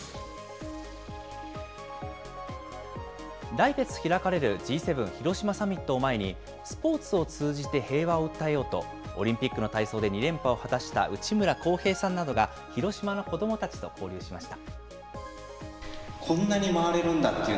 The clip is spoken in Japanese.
来月開かれるＧ７広島サミットを前に、スポーツを通じて平和を訴えようと、オリンピックの体操で２連覇を果たした内村航平さんなどが、広島の子どもたちと交流しました。